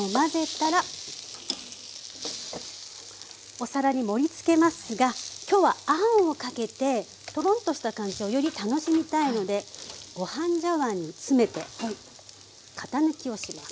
お皿に盛りつけますが今日はあんをかけてトロンとした感じをより楽しみたいのでご飯茶碗に詰めて型抜きをします。